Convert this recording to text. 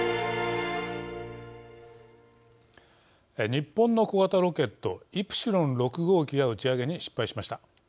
日本の小型ロケット・イプシロン６号機が打ち上げに失敗しました。